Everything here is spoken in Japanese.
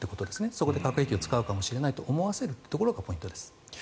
そこで核兵器を使うかもしれないと思わせるというところがポイントです。